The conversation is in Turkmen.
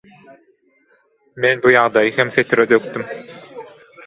Men bu ýagdaýy hem setire dökdüm.